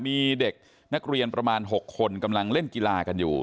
มีเด็กนักเรียนประมาณ๖คนกำลังเล่นกีฬากันอยู่